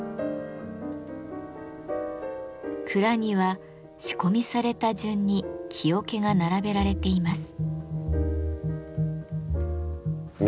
蔵には仕込みされた順に木桶が並べられています。